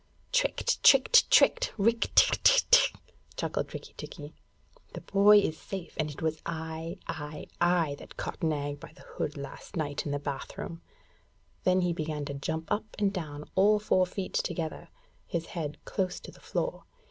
'Tricked! Tricked! Tricked! Rikk tck tck!' chuckled Rikki tikki. 'The boy is safe, and it was I I I that caught Nag by the hood last night in the bath room.' Then he began to jump up and down, all four feet together, his head close to the floor.